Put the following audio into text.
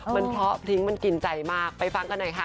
มันเขาทิ้งกินใจมากไปฟังกันหน่อยค่ะ